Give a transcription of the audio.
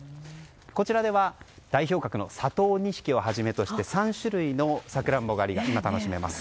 こちらでは代表格の佐藤錦をはじめとして３種類のサクランボ狩りが楽しめます。